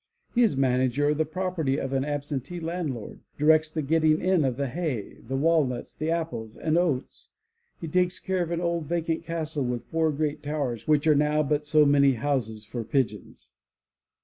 He is manager of the property of an absentee landlord, directs the getting in of the hay, the walnuts, the apples and oats; he takes care of an old vacant castle with four great towers which are now 95 MY BOOK HOUSE but SO many houses for pigeons.